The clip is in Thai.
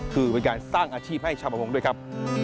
คือเป็นการสร้างอาชีพให้ชาวประมงด้วยครับ